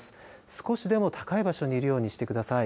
少しでも高い場所にいるようにしてください。